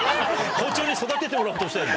校長に育ててもらおうとしてるんだ。